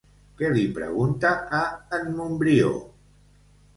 Què li pregunta a en Montbrió?